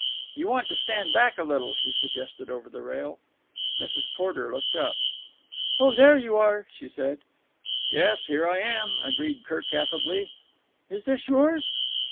"You want to stand back a little," he suggested over the rail. Mrs. Porter looked up. "Oh, there you are!" she said. "Yes, here I am," agreed Kirk affably. "Is this yours?"